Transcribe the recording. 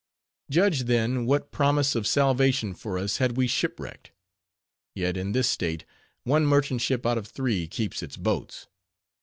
Judge, then, what promise of salvation for us, had we shipwrecked; yet in this state, one merchant ship out of three, keeps its boats.